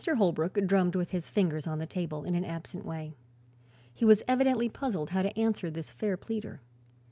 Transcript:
Holbrook drummed with his fingers on the table, in an absent way. He was evidently puzzled how to answer this fair pleader.